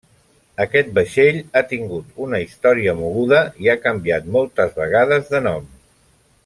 Aquest vaixell ha tingut una història moguda i ha canviat moltes vegades de nom.